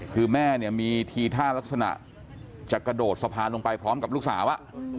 คือแม่เนี่ยมีทีท่ารักษณะจะกระโดดสะพานลงไปพร้อมกับลูกสาว